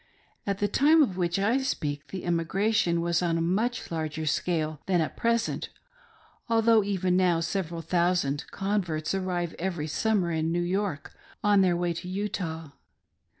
At the time of which I speak, the emi gration was on a much larger scale than at present ; although even now several thousand converts arrive every summer in New York on their way to Utah.